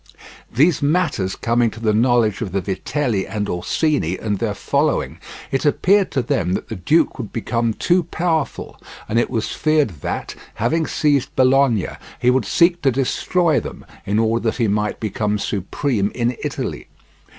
These matters coming to the knowledge of the Vitelli and Orsini and their following, it appeared to them that the duke would become too powerful, and it was feared that, having seized Bologna, he would seek to destroy them in order that he might become supreme in Italy.